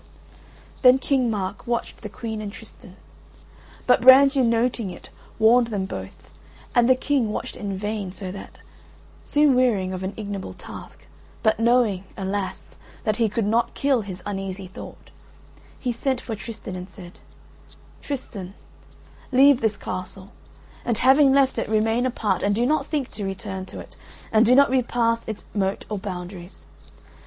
Then King Mark watched the Queen and Tristan; but Brangien noting it warned them both and the King watched in vain, so that, soon wearying of an ignoble task, but knowing (alas!) that he could not kill his uneasy thought, he sent for Tristan and said: "Tristan, leave this castle; and having left it, remain apart and do not think to return to it, and do not repass its moat or boundaries.